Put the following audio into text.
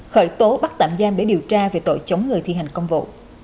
khởi tố bắt tạm giam để điều tra về tội chống người thi hành công vụ